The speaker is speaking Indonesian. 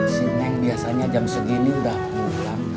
sini yang biasanya jam segini udah pulang